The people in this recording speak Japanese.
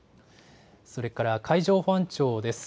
それから海上保安庁です。